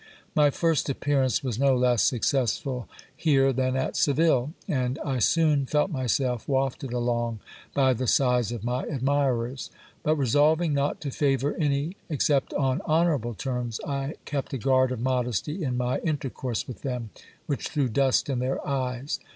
My first appearance was no less successful here than at Seville ; and I soon felt myself wafted along by the sighs of my admirers. But resolving not to favour any except on honourable terms, I kept a guard of modesty in my inter course with them, which threw dust in their eyes.